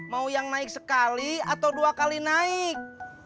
mau yang naik sekali atau dua kali naik